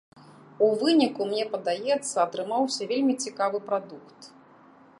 У выніку, мне падаецца, атрымаўся вельмі цікавы прадукт.